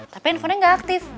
tapi handphonenya ga aktif